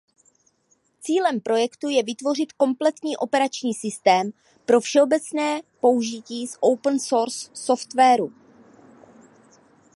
Cílem projektu je vytvořit kompletní operační systém pro všeobecné použití z open source softwaru.